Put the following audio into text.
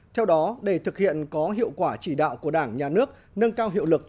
theo đó để thực hiện có hiệu quả chỉ đạo của đảng nhà nước nâng cao hiệu lực